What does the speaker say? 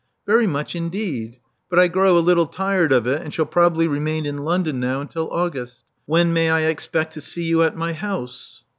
Very much indeed. But I grew a little tired of it, and shall probably remain in London now until August. When may I expect to see you at my house?"